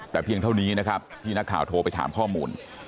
แต่เพียงเท่านี้นะครับที่นักข่าวโทรไปถามข้อมูล